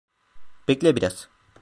Bekle biraz.